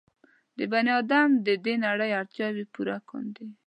د بني ادم د دې نړۍ اړتیاوې پوره کاندي.